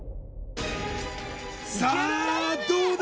さあどうだ！？